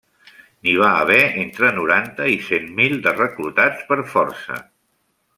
N'hi va haver entre noranta i cent mil de reclutats per força.